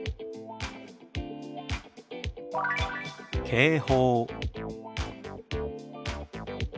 「警報」。